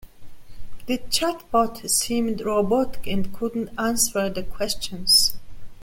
The chatbot seemed robotic and couldn't answer the questions.